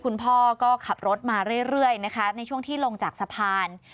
คุณพ่อก็ขับรถมาเรื่อยนะคะในช่วงที่ลงจากสะพาน